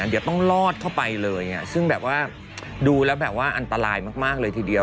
เดี๋ยวต้องลอดเข้าไปเลยซึ่งแบบว่าดูแล้วแบบว่าอันตรายมากเลยทีเดียว